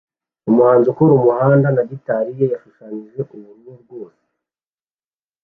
Umuhanzi ukora umuhanda na gitari ye yashushanyije ubururu rwose